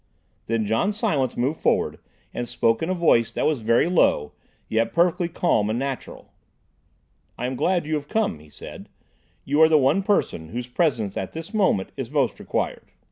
Then John Silence moved forward and spoke in a voice that was very low, yet perfectly calm and natural. "I am glad you have come," he said. "You are the one person whose presence at this moment is most required.